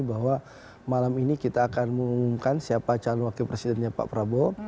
bahwa malam ini kita akan mengumumkan siapa calon wakil presidennya pak prabowo